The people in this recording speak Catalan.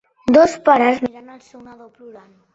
Dos pares mirant el seu nadó plorant.